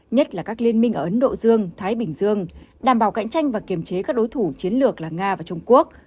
nhất là các liên minh ở ấn độ dương thái bình dương đảm bảo cạnh tranh và kiềm chế các đối thủ chiến lược là nga và trung quốc